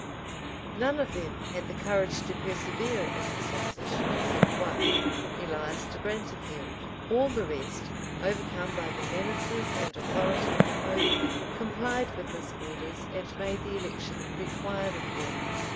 None of them had the courage to persevere in this opposition, except one, Elias de Brantefield: all the rest, overcome by the menaces and authority of the pope, complied with his orders, and made the election required of them.